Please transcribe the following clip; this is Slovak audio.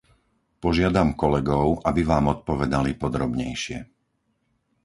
Požiadam kolegov, aby vám odpovedali podrobnejšie.